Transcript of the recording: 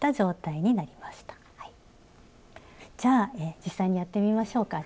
じゃあ実際にやってみましょうか。